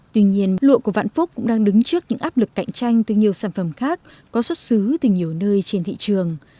tuy nhiên lụa của vạn phúc cũng đang đứng trước những áp lực cạnh tranh từ nhiều sản phẩm khác có xuất xứ từ nhiều nơi trên thị trường